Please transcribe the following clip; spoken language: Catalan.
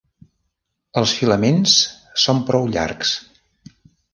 Els filaments són prou llargs.